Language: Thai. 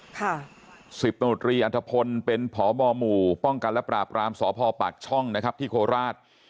สิบตำรวจรีอันทพลเป็นพบหมู่ป้องกันและปราบรามสพปากช่องนะครับที่โคราช